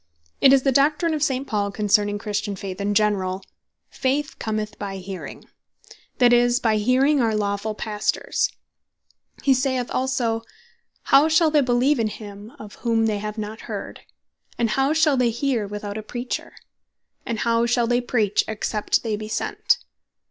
It is the Doctrine of St. Paul concerning Christian Faith in generall, (Rom. 10.17.) "Faith cometh by Hearing," that is, by Hearing our lawfull Pastors. He saith also (ver. 14,15. of the same Chapter) "How shall they beleeve in him of whom they have not heard? and how shall they hear without a Preacher? and how shall they Preach, except they be sent?"